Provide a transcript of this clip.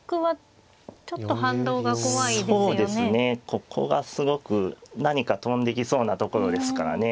ここがすごく何か飛んできそうなところですからね。